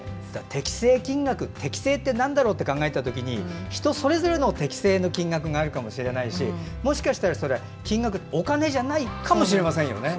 適正金額、適正ってなんだろうと考えた時に人それぞれの適正金額があるかもしれないしもしかしたらお金じゃないかもしれませんよね。